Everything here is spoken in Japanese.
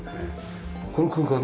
この空間ね。